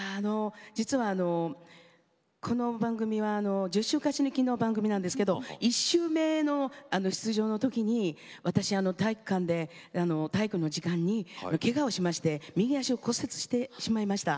実はこの番組は１０週勝ち抜きの番組なんですけど１週目の出場の時に私、体育館で体育の授業にけがをしまして右足を骨折してしまいました。